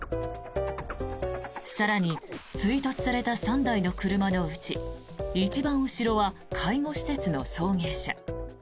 更に、追突された３台の車のうち一番後ろは介護施設の送迎車。